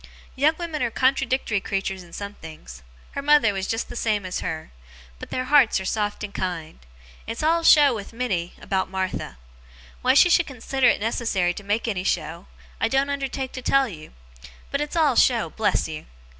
Young women are contradictory creatures in some things her mother was just the same as her but their hearts are soft and kind. It's all show with Minnie, about Martha. Why she should consider it necessary to make any show, I don't undertake to tell you. But it's all show, bless you.